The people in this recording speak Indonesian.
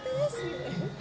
itu itu sih